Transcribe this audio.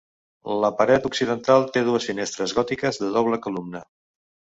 La paret occidental té dues finestres gòtiques de doble columna.